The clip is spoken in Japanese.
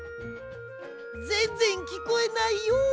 ぜんぜんきこえないよ。